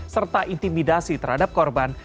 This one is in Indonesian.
serta intimidasi terhadap korban